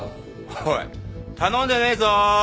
おい頼んでねえぞ。